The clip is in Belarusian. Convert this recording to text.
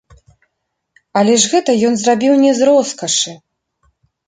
Але ж гэта ён зрабіў не з роскашы!